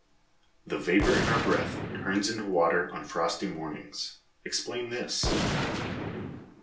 The vapor in our breath turns into water on frosty mornings. Explain this.